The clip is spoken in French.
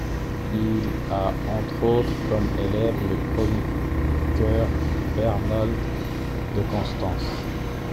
Il a entre autres comme élève le chroniqueur Bernold de Constance.